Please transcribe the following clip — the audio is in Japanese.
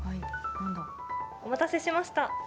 お待たせしました。